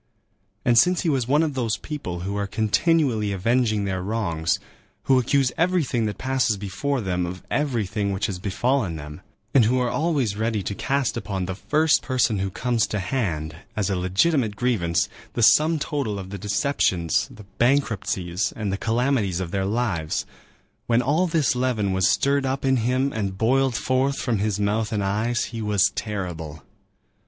And since he was one of those people who are continually avenging their wrongs, who accuse everything that passes before them of everything which has befallen them, and who are always ready to cast upon the first person who comes to hand, as a legitimate grievance, the sum total of the deceptions, the bankruptcies, and the calamities of their lives,—when all this leaven was stirred up in him and boiled forth from his mouth and eyes, he was terrible.